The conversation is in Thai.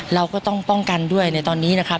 เราก็ต้องป้องกันด้วยในตอนนี้นะครับ